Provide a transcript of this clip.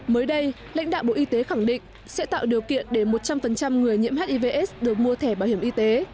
mới đây lãnh đạo bộ y tế khẳng định sẽ tạo điều kiện để một trăm linh người nhiễm hivs được mua thẻ bảo hiểm y tế